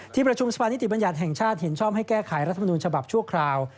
ที่ประชุมสภานิติบัญญัติแห่งชาติเห็นชอบให้แก้ไขรัฐมนุนฉบับชั่วคราว